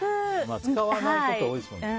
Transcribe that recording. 使わないことが多いですもんね。